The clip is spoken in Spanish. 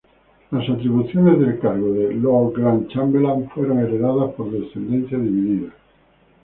Las atribuciones del cargo de lord-gran-chambelán fueron heredadas por descendencia divida.